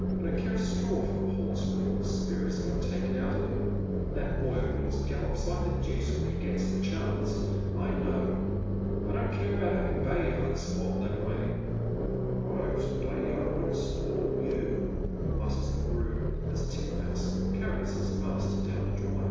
I don't care a straw for a horse when all the spirit has been taken out of bim. That boy of yours gallops like the deuce when he gets th»j chance, I know. I don't care about having Bayard spoiled tli«t way." " I hopes Bay hard won't sp iil you," mutters the groom, as Titmouse carries his master dow»i the drive.